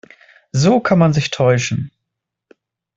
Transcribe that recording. So kann man sich täuschen.